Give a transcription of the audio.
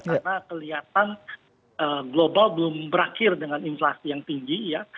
karena kelihatan global belum berakhir dengan inflasi yang tinggi ya